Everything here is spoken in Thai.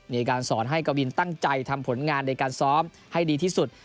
มีการสอนให้กวินตั้งใจทำผลงานในการซ้อมให้ดีที่สุด